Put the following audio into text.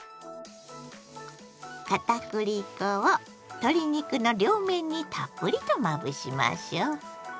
片栗粉を鶏肉の両面にたっぷりとまぶしましょ！